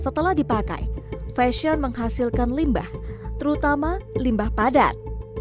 setelah dipakai fashion menghasilkan limba terutama limba padat